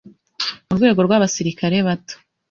mu rwego rw’abasirikare bato